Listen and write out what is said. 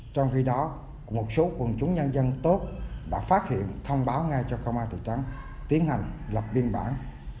trong khi đó một số quần chúng nhân dân tốt đã phát hiện thông báo ngay cho công an thị trấn tiến hành lập biên bản